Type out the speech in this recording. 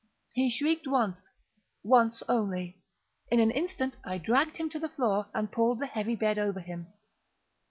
He shrieked once—once only. In an instant I dragged him to the floor, and pulled the heavy bed over him.